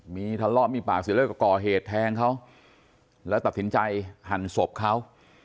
มีทะเลาะมีปากเสียแล้วก็ก่อเหตุแทงเขาแล้วตัดสินใจหั่นศพเขา